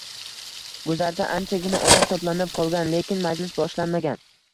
Guzarda anchagina odam toʻplanib qolgan, lekin majlis boshlanmagan.